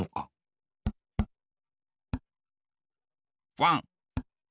ワン。